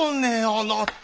あなた。